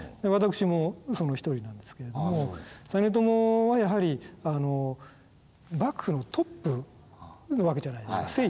私もその一人なんですけれども実朝はやはり幕府のトップなわけじゃないですか。